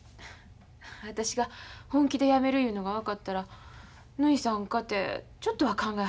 私が本気でやめるいうのが分かったらぬひさんかてちょっとは考えはるやろ。